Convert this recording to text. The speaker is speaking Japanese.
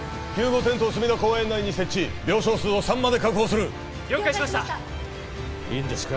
テントを隅田公園内に設置病床数を３まで確保する・了解しましたいいんですか？